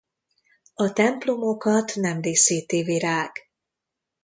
A templomokat nem díszíti virág.